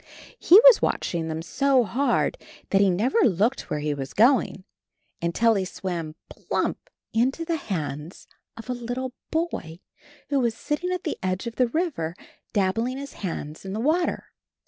He was watching them so hard that he never looked where he was going, until he swam plump into the hands of a little boy, who was sitting at the edge of the river dab bling his hands in the water.